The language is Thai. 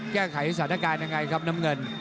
แก้ไขสถานการณ์ยังไงครับน้ำเงิน